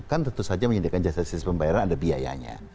kan tentu saja menyediakan jasa jasis pembayaran ada biayanya